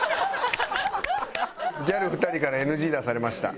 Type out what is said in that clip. ギャル２人からＮＧ出されました。